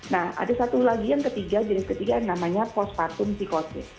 nah ada satu lagi yang ketiga jenis ketiga yang namanya pospatum psikotik